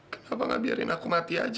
kenapa gak biarin aku mati aja